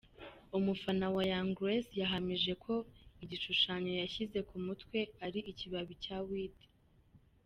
Umufana wa Young Grace yahamije ko igishushanyo yashyize ku mutwe ari ikibabi cya Weed.